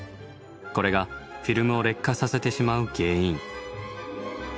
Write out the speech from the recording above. これがフィルムを劣化させてしまう原因。